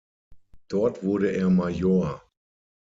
Dort wurde er Major.